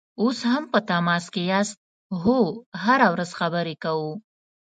اوس هم په تماس کې یاست؟ هو، هره ورځ خبرې کوو